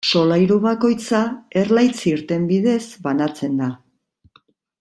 Solairu bakoitza erlaitz irten bidez banatzen da.